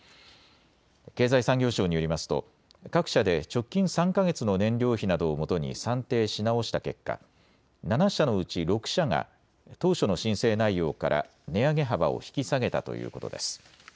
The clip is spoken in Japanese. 経済産業省によりますと各社で直近３か月の燃料費などをもとに算定し直した結果、７社のうち６社が当初の申請内容から値上げ幅を引き下げたということです。